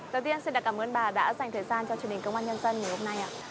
đầu tiên xin cảm ơn bà đã dành thời gian cho truyền hình công an nhân dân ngày hôm nay